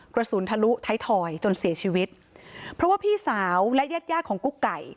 กระสุนทะลุท้ายทอยจนเสียชีวิตเพราะว่าพี่สาวและญาติญาติของกุ๊กไก่